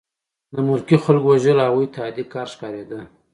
د ملکي خلکو وژل هغوی ته عادي کار ښکارېده